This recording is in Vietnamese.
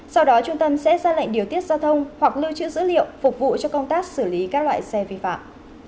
sau đó trung tâm sẽ ra lệnh điều tiết giao thông hoặc lưu trữ dữ liệu phục vụ cho công tác xử lý các loại xe vi phạm